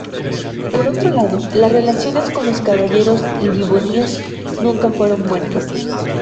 Por otro lado, las relaciones con los caballeros livonios nunca fueron buenas.